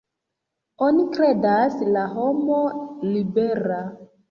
Oni kredas la homo libera.